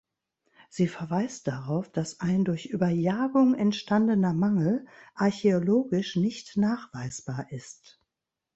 Sie verweist darauf, dass ein durch Überjagung entstandener Mangel archäologisch nicht nachweisbar ist.